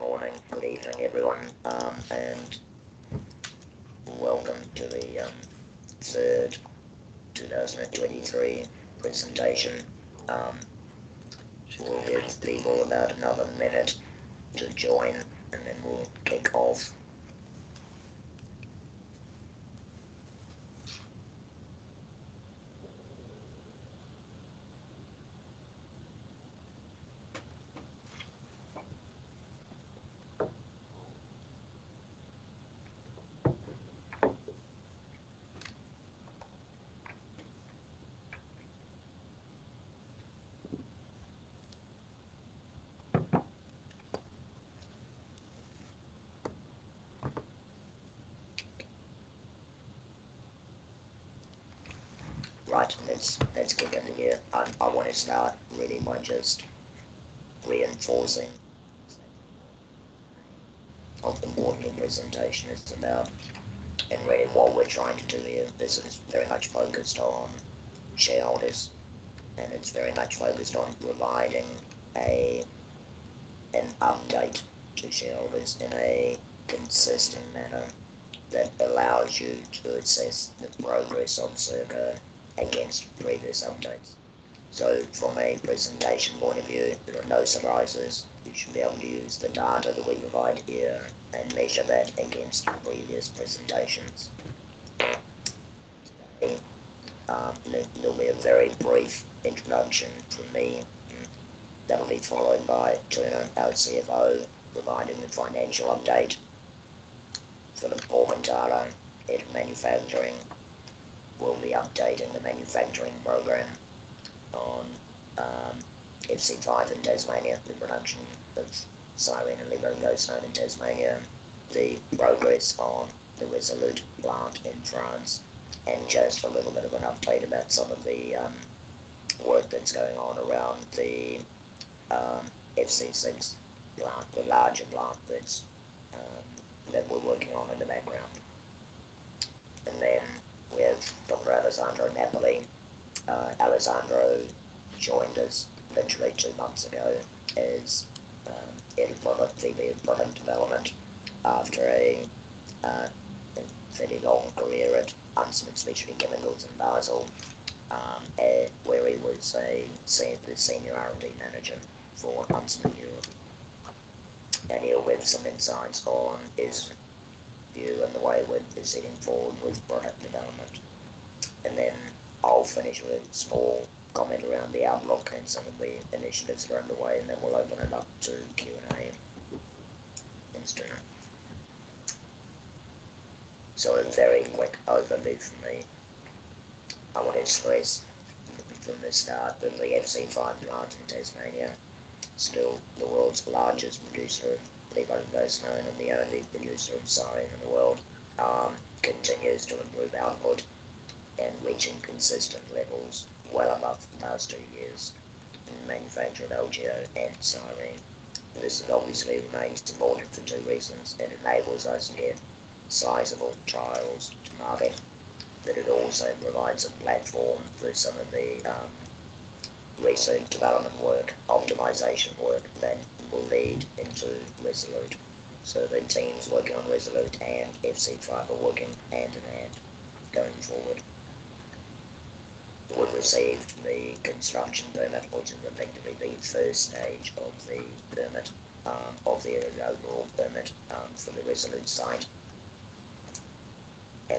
Good morning, good evening, everyone, and welcome to the Third 2023 Presentation. We'll give people about another minute to join, and then we'll kick off. Right, let's get going here. I wanna start really by just reinforcing what the board presentation is about, and really what we're trying to do here. This is very much focused on shareholders, and it's very much focused on providing an update to shareholders in a consistent manner that allows you to assess the progress on Circa against previous updates. So from a presentation point of view, there are no surprises. You should be able to use the data that we provide here and measure that against the previous presentations. There'll be a very brief introduction from me. That'll be followed by Tone, our CFO, providing the financial update for the performance data in manufacturing. We'll be updating the manufacturing program on FC5 in Tasmania, the production of Cyrene and levoglucosenone in Tasmania, the progress on the ReSolute plant in France, and just a little bit of an update about some of the work that's going on around the FC6 plant, the larger plant that's that we're working on in the background. And then we have Dr. Alessandro Napoli. Alessandro joined us virtually two months ago, as head of product development, after a fairly long career at Huntsman Specialty Chemicals in Basel, where he was the senior R&D manager for Huntsman Europe. And he'll with some insights on his view and the way we're proceeding forward with product development. Then I'll finish with small comment around the outlook and some of the initiatives that are underway, and then we'll open it up to Q&A. Thanks, Tony. A very quick overview from me. I want to stress from the start that the FC5 plant in Tasmania still the world's largest producer of levoglucosenone, and the only producer of Cyrene in the world, continues to improve output and reaching consistent levels well above the past two years in the manufacture of LGO and Cyrene. This obviously remains important for two reasons: It enables us to get sizable trials to market, but it also provides a platform for some of the research development work, optimization work that will lead into ReSolute. The teams working on ReSolute and FC5 are working hand in hand, going forward. We've received the construction permit, which is effectively the first stage of the permit, of the overall permit, for the ReSolute site.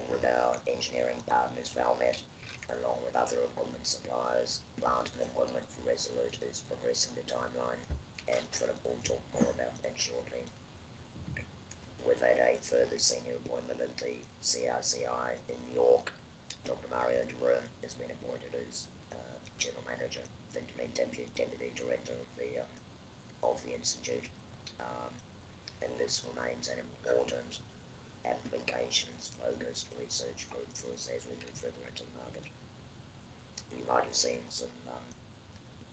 With our engineering partners, Valmet, along with other equipment suppliers, plant and equipment for ReSolute is progressing the timeline, and Tone will talk more about that shortly. We've made a further senior appointment at the CRCI in New York. Dr. Mario De Bruyn has been appointed as General Manager and Deputy Director of the institute. And this remains an important applications-focused research group for us as we go through into the market. You might have seen some,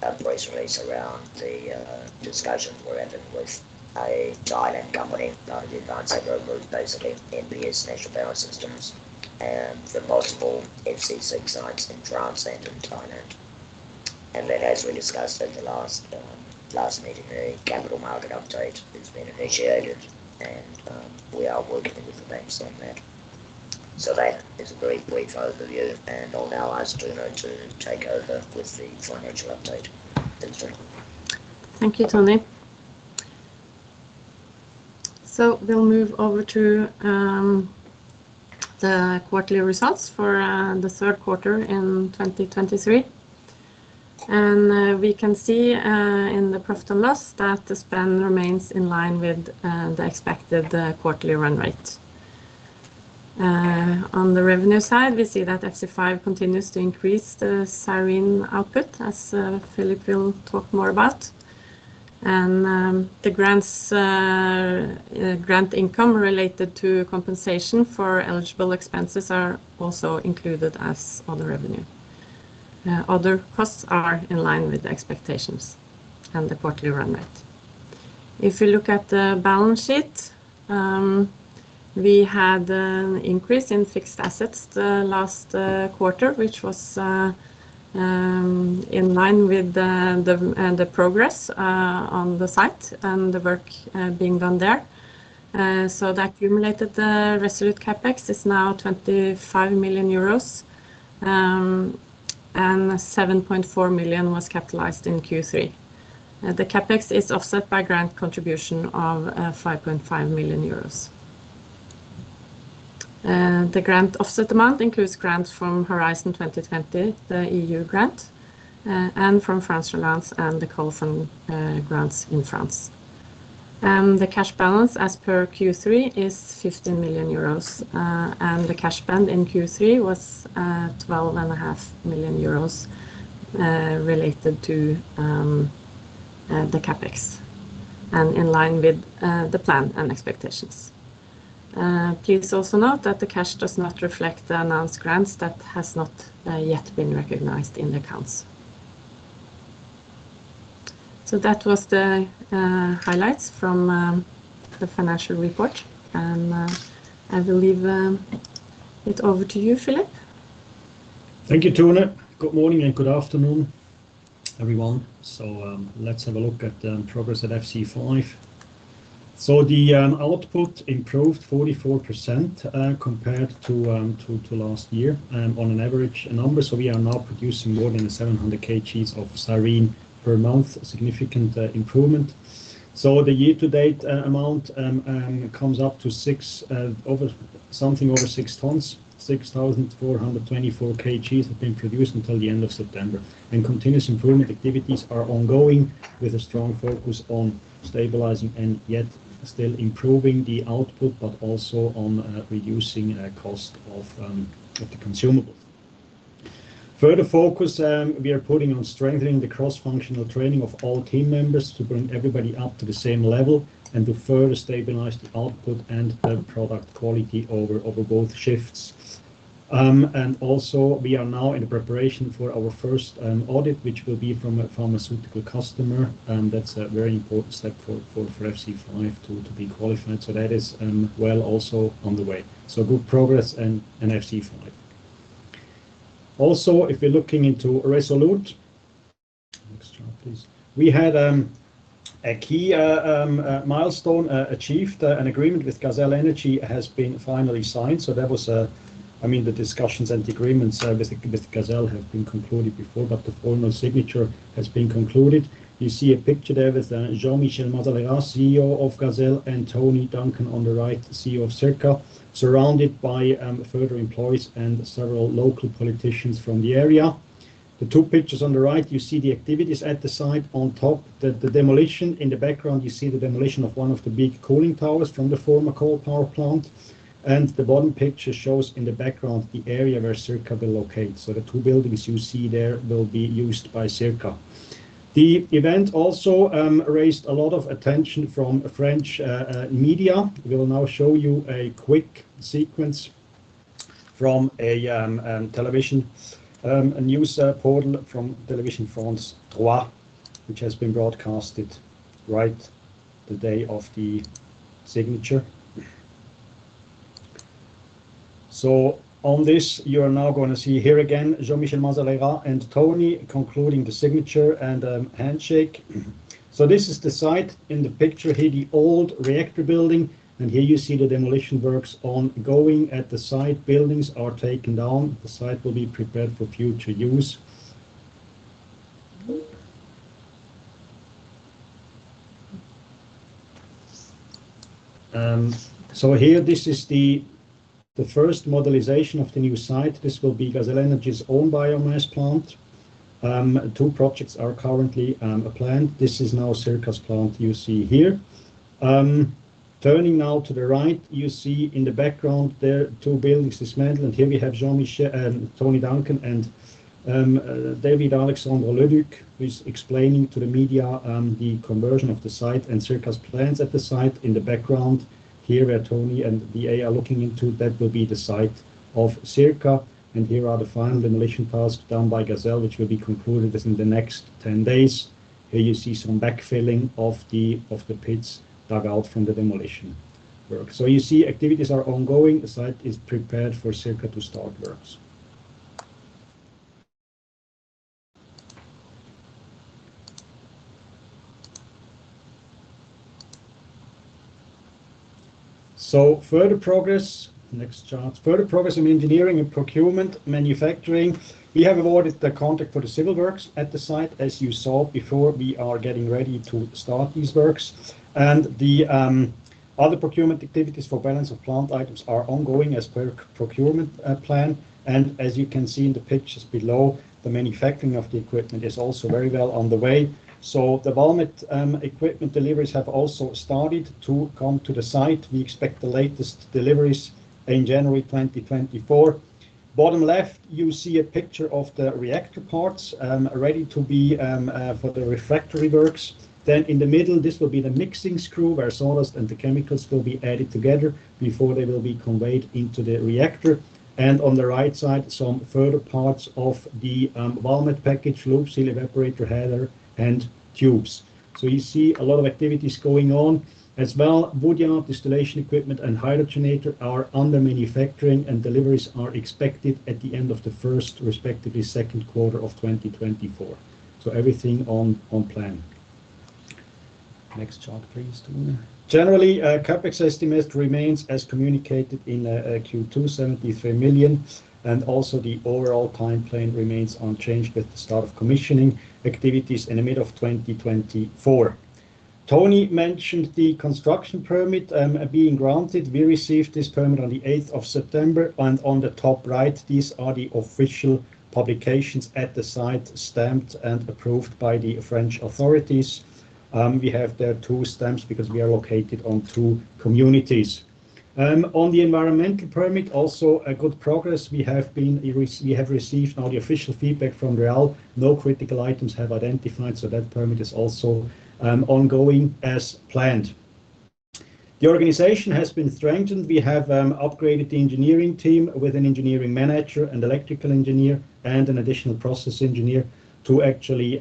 a press release around the discussion we're having with a China company, part of the Advanced Group, basically NPS, National Power Supply, and the possible FC6 sites in France and in China. As we discussed at the last meeting, the capital market update has been initiated, and we are working with the banks on that. So that is a very brief overview, and I'll now ask Tone to take over with the financial update. Thanks, Tone. Thank you, Tony. So we'll move over to the quarterly results for the third quarter in 2023. We can see in the profit and loss that the spend remains in line with the expected quarterly run rate. On the revenue side, we see that FC5 continues to increase the Cyrene output, as Philipp will talk more about. The grants, grant income related to compensation for eligible expenses are also included as other revenue. Other costs are in line with the expectations and the quarterly run rate. If you look at the balance sheet, we had increase in fixed assets the last quarter, which was in line with the progress on the site and the work being done there. So the accumulated ReSolute CapEx is now 25 million euros, and 7.4 million was capitalized in Q3. The CapEx is offset by grant contribution of 5.5 million euros. The grant offset amount includes grants from Horizon 2020, the EU grant, and from France Relance and the Colson grants in France. And the cash balance as per Q3 is 15 million euros, and the cash burn in Q3 was 12.5 million euros, related to the CapEx, and in line with the plan and expectations. Please also note that the cash does not reflect the announced grants that has not yet been recognized in the accounts. So that was the highlights from the financial report, and I will leave it over to you, Philipp. Thank you, Tone. Good morning and good afternoon, everyone. So, let's have a look at progress at FC5. So the output improved 44%, compared to last year on an average number. So we are now producing more than 700 kgs of Cyrene per month, a significant improvement. So the year-to-date amount comes up to something over 6 tons, 6,424 kgs have been produced until the end of September. And continuous improvement activities are ongoing, with a strong focus on stabilizing and yet still improving the output, but also on reducing cost of the consumables. Further focus, we are putting on strengthening the cross-functional training of all team members to bring everybody up to the same level and to further stabilize the output and the product quality over both shifts. And also, we are now in preparation for our first audit, which will be from a pharmaceutical customer, and that's a very important step for FC5 to be qualified. So that is, well, also on the way. So good progress in FC5. Also, if you're looking into ReSolute. Next chart, please. We had a key milestone achieved, an agreement with GazelEnergie has been finally signed. So that was, I mean, the discussions and agreements with GazelEnergie have been concluded before, but the formal signature has been concluded. You see a picture there with Jean-Michel Mazalèrat, CEO of GazelEnergie, and Tony Duncan on the right, CEO of Circa, surrounded by further employees and several local politicians from the area. The two pictures on the right, you see the activities at the site. On top, the demolition. In the background, you see the demolition of one of the big cooling towers from the former coal power plant. The bottom picture shows in the background the area where Circa will locate. So the two buildings you see there will be used by Circa. The event also raised a lot of attention from French media. We will now show you a quick sequence from a television news portal from France 3, which has been broadcasted right the day of the signature. So on this, you are now going to see here again, Jean-Michel Mazalèrat and Tony concluding the signature and handshake. So this is the site in the picture here, the old reactor building, and here you see the demolition works ongoing at the site. Buildings are taken down. The site will be prepared for future use. So here, this is the first modelization of the new site. This will be GazelEnergie's own biomass plant. Two projects are currently planned. This is now Circa's plant you see here. Turning now to the right, you see in the background there, two buildings dismantled. And here we have Jean-Michel Mazalèrat, Tony Duncan, and David-Alexandre Leduc, who is explaining to the media the conversion of the site and Circa's plans at the site. In the background here, where Tony and DA are looking into, that will be the site of Circa, and here are the final demolition tasks done by GazelEnergie, which will be concluded within the next 10 days. Here you see some backfilling of the pits dug out from the demolition work. So you see, activities are ongoing. The site is prepared for Circa to start works. So further progress. Next chart. Further progress in engineering and procurement, manufacturing. We have awarded the contract for the civil works at the site. As you saw before, we are getting ready to start these works, and the other procurement activities for balance of plant items are ongoing as per procurement plan. And as you can see in the pictures below, the manufacturing of the equipment is also very well on the way. So the Valmet equipment deliveries have also started to come to the site. We expect the latest deliveries in January 2024. Bottom left, you see a picture of the reactor parts ready to be for the refractory works. Then in the middle, this will be the mixing screw, where sawdust and the chemicals will be added together before they will be conveyed into the reactor. And on the right side, some further parts of the Valmet package loop, seal evaporator header and tubes. So you see a lot of activities going on. As well, Both the distillation equipment and hydrogenator are under manufacturing, and deliveries are expected at the end of the first, respectively, second quarter of 2024. So everything on plan. Next chart, please, Tony. Generally, CapEx estimate remains as communicated in Q2, 73 million, and also the overall time plane remains unchanged with the start of commissioning activities in the middle of 2024. Tony mentioned the construction permit being granted. We received this permit on the eighth of September, and on the top right, these are the official publications at the site, stamped and approved by the French authorities. We have there two stamps because we are located on two communities. On the environmental permit, also a good progress. We have received now the official feedback from DREAL. No critical items have identified, so that permit is also ongoing as planned. The organization has been strengthened. We have upgraded the engineering team with an engineering manager, an electrical engineer, and an additional process engineer to actually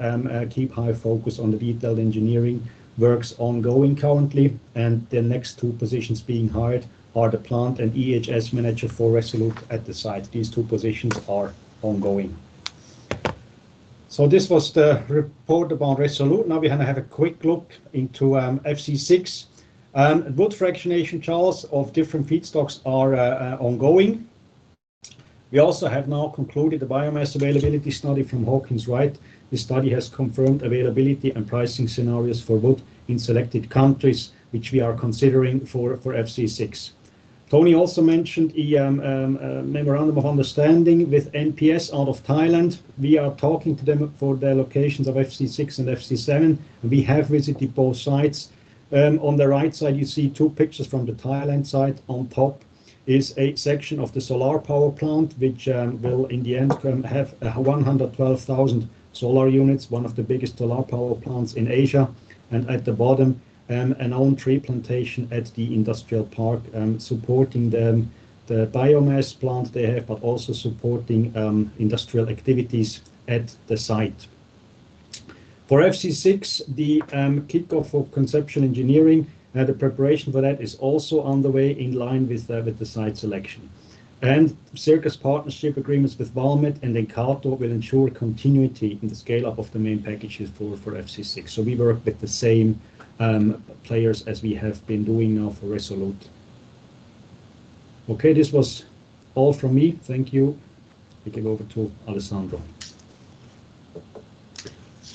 keep high focus on the detailed engineering works ongoing currently, and the next two positions being hired are the plant and EHS manager for ReSolute at the site. These two positions are ongoing. So this was the report about ReSolute. Now we are going to have a quick look into FC6. Wood fractionation trials of different feedstocks are ongoing. We also have now concluded the biomass availability study from Hawkins Wright. The study has confirmed availability and pricing scenarios for wood in selected countries, which we are considering for FC6. Tony also mentioned a memorandum of understanding with NPS out of Thailand. We are talking to them for the locations of FC6 and FC7, and we have visited both sites. On the right side, you see two pictures from the Thailand site. On top is a section of the solar power plant, which will in the end have 112,000 solar units, one of the biggest solar power plants in Asia, and at the bottom an own tree plantation at the industrial park supporting the biomass plant they have, but also supporting industrial activities at the site. For FC6, the kickoff for conception engineering, the preparation for that is also on the way in line with the site selection. Circa's partnership agreements with Valmet and then Ekato will ensure continuity in the scale-up of the main packages for FC6. We work with the same players as we have been doing now for ReSolute. Okay, this was all from me. Thank you. We can go over to Alessandro.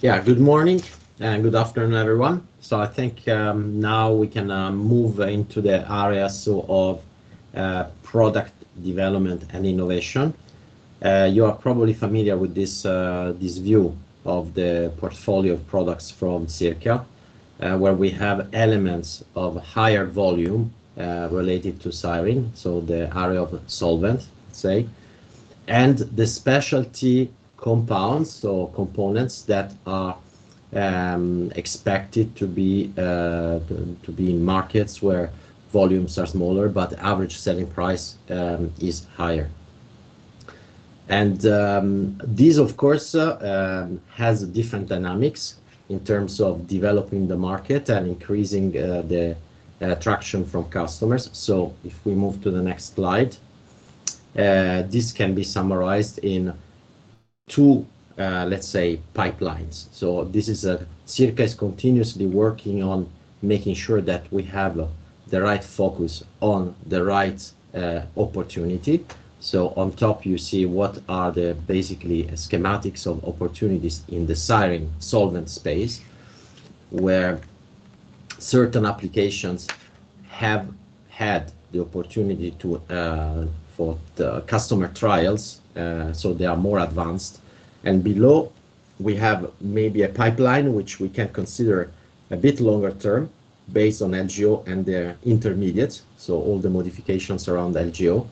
Yeah, good morning, and good afternoon, everyone. So I think now we can move into the area of product development and innovation. You are probably familiar with this view of the portfolio of products from Circa, where we have elements of higher volume related to Cyrene, so the area of solvent, say, and the specialty compounds or components that are expected to be in markets where volumes are smaller, but average selling price is higher. And this, of course, has different dynamics in terms of developing the market and increasing the attraction from customers. So if we move to the next slide, this can be summarized in two, let's say, pipelines. So this is, Circa is continuously working on making sure that we have the right focus on the right, opportunity. So on top, you see what are the basically schematics of opportunities in the Cyrene solvent space, where certain applications have had the opportunity to, for the customer trials, so they are more advanced. And below, we have maybe a pipeline, which we can consider a bit longer term based on LGO and their intermediates, so all the modifications around the LGO.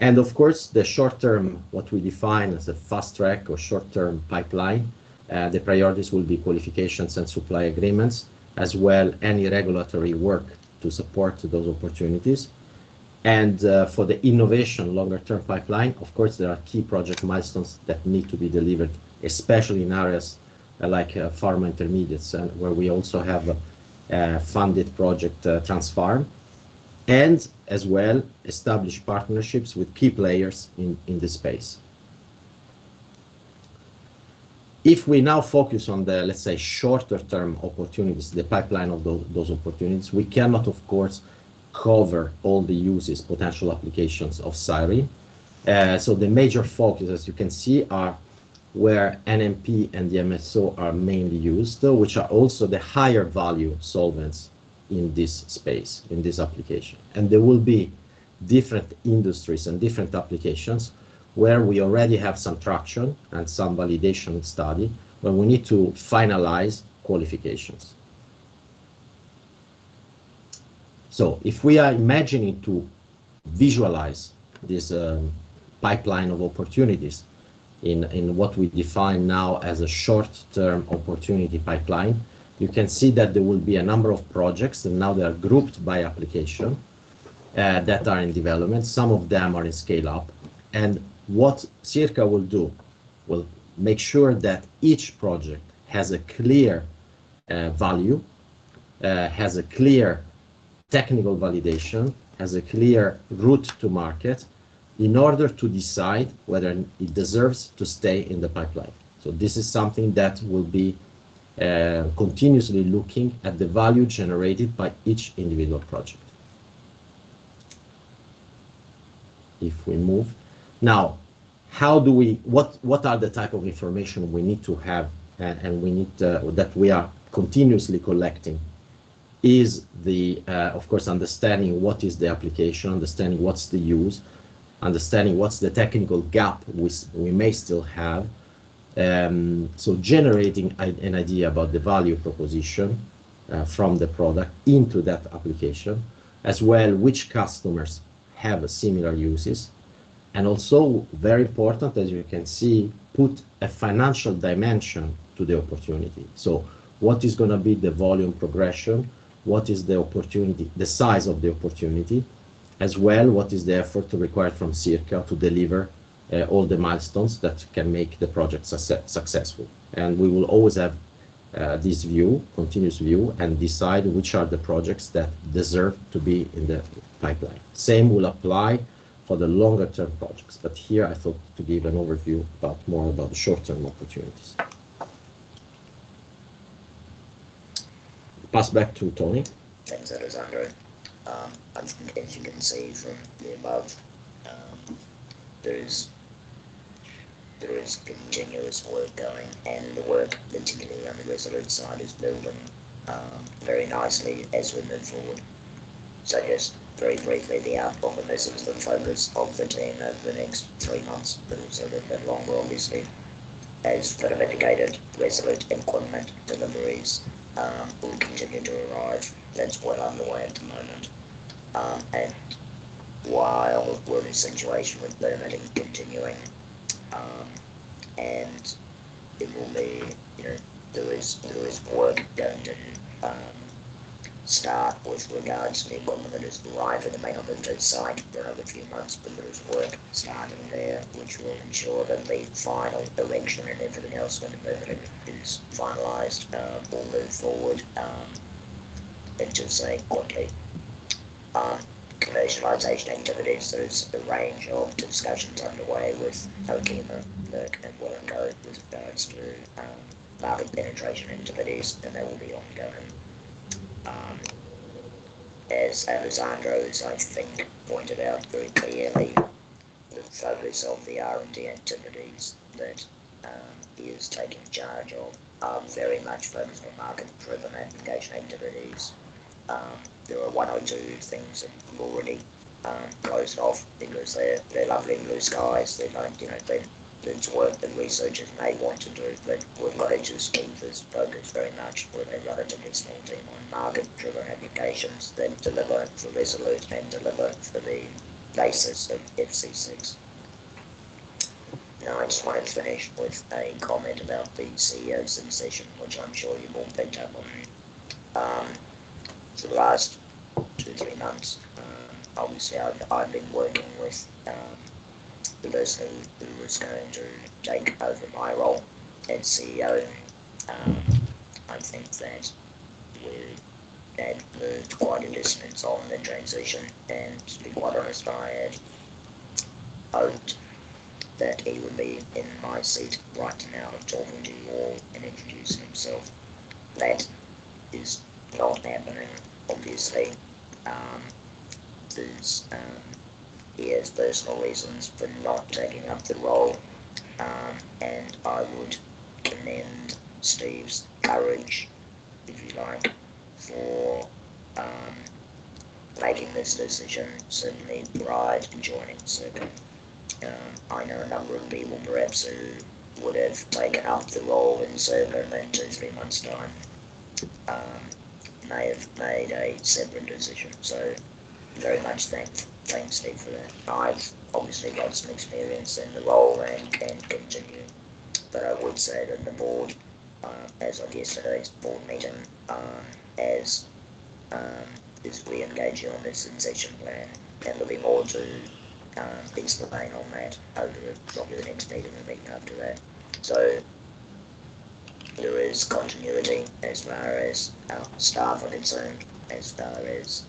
And of course, the short term, what we define as a fast track or short-term pipeline, the priorities will be qualifications and supply agreements, as well any regulatory work to support those opportunities. For the innovation longer-term pipeline, of course, there are key project milestones that need to be delivered, especially in areas like pharma intermediates, and where we also have a funded project, TransPharm, and as well, establish partnerships with key players in this space. If we now focus on the, let's say, shorter-term opportunities, the pipeline of those opportunities, we cannot, of course, cover all the uses, potential applications of Cyrene. So the major focus, as you can see, are where NMP and DMSO are mainly used, which are also the higher value solvents in this space, in this application. There will be different industries and different applications where we already have some traction and some validation study, but we need to finalize qualifications. If we are imagining to visualize this, pipeline of opportunities in what we define now as a short-term opportunity pipeline, you can see that there will be a number of projects, and now they are grouped by application that are in development. Some of them are in scale-up. What Circa will do, we'll make sure that each project has a clear value, has a clear technical validation, has a clear route to market in order to decide whether it deserves to stay in the pipeline. This is something that will be continuously looking at the value generated by each individual project. If we move. Now, how do we what are the type of information we need to have and we need that we are continuously collecting? Of course, understanding what is the application, understanding what's the use, understanding what's the technical gap we may still have. So generating an idea about the value proposition from the product into that application, as well, which customers have similar uses, and also very important, as you can see, put a financial dimension to the opportunity. So what is gonna be the volume progression? What is the opportunity, the size of the opportunity? As well, what is the effort to require from Circa to deliver all the milestones that can make the project successful? And we will always have this view, continuous view, and decide which are the projects that deserve to be in the pipeline. Same will apply for the longer-term projects, but here I thought to give an overview about more about the short-term opportunities. Pass back to Tony. Thanks, Alessandro. As you can see from the above, there is continuous work going, and the work continuing on the ReSolute side is building very nicely as we move forward. So just very briefly, the out of the business, the focus of the team over the next three months, but also the longer, obviously, as the dedicated ReSolute and QuantuMDx deliveries will continue to arrive. That's well underway at the moment. And while we're in situation with permitting continuing, and it will be, you know, there is work going to start with regards to the equipment that has arrived at the Emile Huchet site over the few months. But there is work starting there, which will ensure that the final erection and everything else when the permitting is finalized will move forward into say, okay. Commercialization activities, there's a range of discussions underway with OQEMA, Merck, and Wacker with regards to market penetration activities, and they will be ongoing. As Alessandro, I think, pointed out very clearly, the focus of the R&D activities that he is taking charge of are very much focused on market-driven application activities. There are one or two things that have already closed off because they're lovely blue skies. They're not, you know. It's work that researchers may want to do, but we'd like to keep this focused very much with a relatively small team on market-driven applications that deliver for ReSolute and deliver for the basis of FC6. Now, I just want to finish with a comment about the CEO succession, which I'm sure you've all been terribly. For the last two, three months, obviously, I've been working with the person who was going to take over my role as CEO. I think that we had moved quite a distance on the transition, and to be quite honest, I had hoped that he would be in my seat right now, talking to you all and introducing himself. That is not happening, obviously. He has personal reasons for not taking up the role, and I would commend Steve's courage, if you like, for making this decision. Certainly, pride in joining Circa. I know a number of people, perhaps, who would have taken up the role in Circa in that two, three months time, may have made a separate decision. So very much thanks, Steve, for that. I've obviously got some experience in the role and continue, but I would say that the board as of yesterday's board meeting is reengaging on the succession plan, and there'll be more things to say on that over probably the next meeting or the meeting after that. So there is continuity as far as our staff are concerned, as far as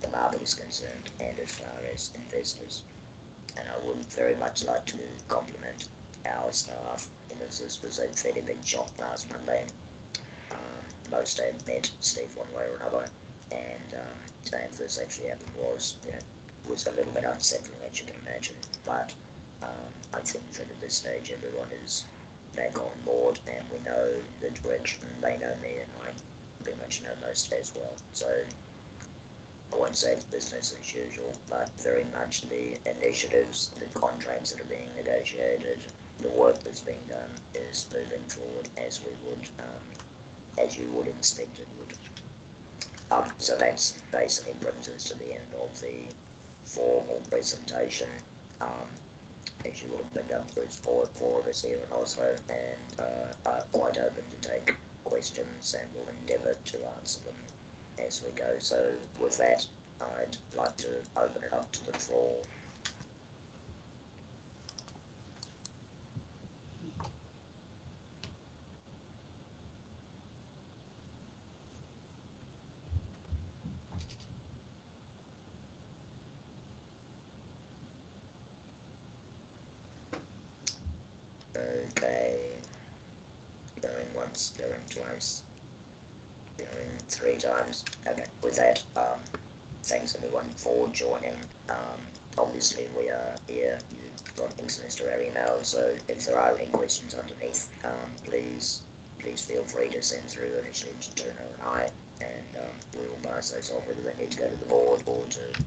the market is concerned, and as far as investors. And I would very much like to compliment our staff, because this was a very big shock last Monday. Most have met Steve one way or another, and today when this actually happened was, you know, a little bit upsetting, as you can imagine. But I think that at this stage, everyone is back on board, and we know the direction. They know me, and I pretty much know most as well. So I won't say it's business as usual, but very much the initiatives, the contracts that are being negotiated, the work that's being done is moving forward as we would, as you would expect it would. So that's basically brings us to the end of the formal presentation. As you would have been done through four, four of us here in Oslo, and, I'm quite open to take questions and will endeavor to answer them as we go. So with that, I'd like to open it up to the floor. Okay, going once, going twice, going three times. And with that, thanks, everyone, for joining. Obviously, we are here. You've got things to our email, so if there are any questions underneath, please, please feel free to send through them to Tone or I, and we will pass those on, whether they need to go to the board or to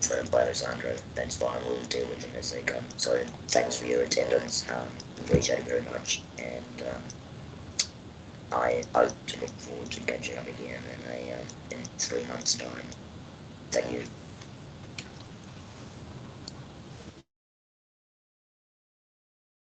through Alessandro. That's fine. We'll deal with them as they come. So thanks for your attendance. Appreciate it very much. And I look forward to catching up again in a in three months' time. Thank you.